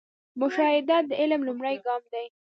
مشاهده د علم لومړی ګام دی